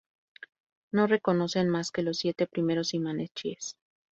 No reconocen más que los siete primeros imanes chiíes.